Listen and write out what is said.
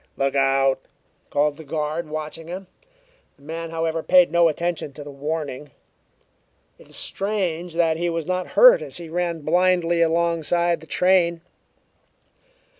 "Look out!" called the guard, watching him. The man, however, paid no attention to the warning. It is strange that he was not hurt as he ran blindly alongside the train.